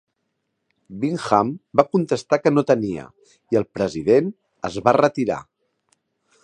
Bingham va contestar que no tenia, i el "president" es va retirar.